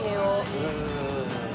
へえ。